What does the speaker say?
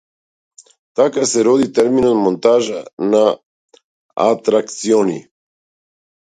Така се роди терминот монтажа на атракциони.